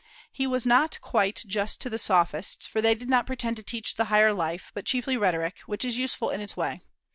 He was not quite just to the Sophists, for they did not pretend to teach the higher life, but chiefly rhetoric, which is useful in its way.